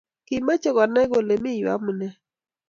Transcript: Kimoche Kenai kele miyu amune